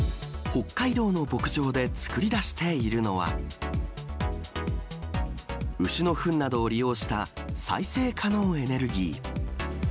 北海道の牧場で作り出しているのは、牛のふんなどを利用した再生可能エネルギー。